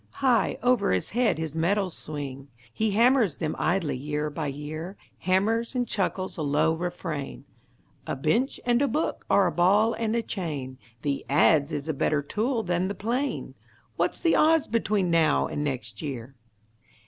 High over his head his metals swing; He hammers them idly year by year, Hammers and chuckles a low refrain: "A bench and a book are a ball and a chain, The adze is a better tool than the plane; What's the odds between now and next year?"